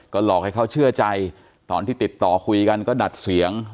หลอกให้เขาเชื่อใจตอนที่ติดต่อคุยกันก็ดัดเสียง